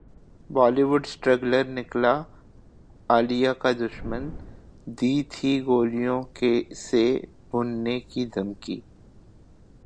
Bollywood struggler निकला आलिया का दुश्मन, दी थी गोलियों से भूनने की धमकी